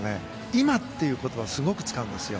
今という言葉をすごく使うんですよ。